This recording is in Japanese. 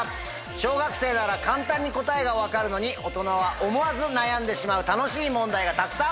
小学生なら簡単に答えが分かるのに大人は思わず悩んでしまう楽しい問題がたくさん！